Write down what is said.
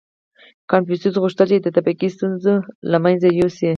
• کنفوسیوس غوښتل، چې د طبقې ستونزه له منځه یوسي.